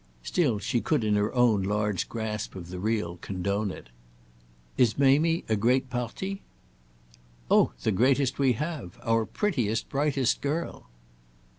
Still, she could in her own large grasp of the real condone it. "Is Mamie a great parti?" "Oh the greatest we have—our prettiest brightest girl."